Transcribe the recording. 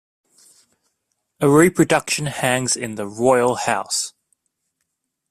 A reproduction hangs in the Royall House.